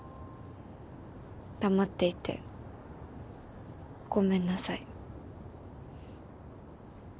黙っていてごめんなさい。